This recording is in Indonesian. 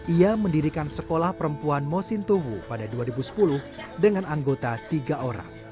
ia mendirikan sekolah perempuan mosintowo pada dua ribu sepuluh dengan anggota tiga orang